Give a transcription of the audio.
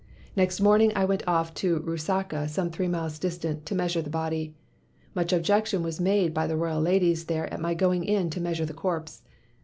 "Next morning I went off to Rusaka some three miles distant, to measure the body. Much objection was made by the royal ladies there at my going in to measure the corpse.